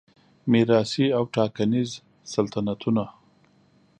میراثي او ټاکنیز سلطنتونه